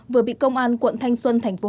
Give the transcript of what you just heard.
vừa bị công an quận thanh xuân tp hcm